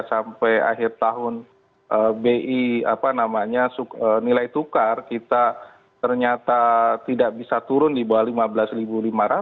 sampai akhir tahun bi apa namanya nilai tukar kita ternyata tidak bisa turun di bawah rp lima belas lima ratus